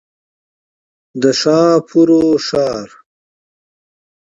د ښاپورو ښار.